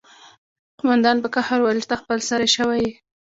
قومندان په قهر وویل چې ته خپل سری شوی یې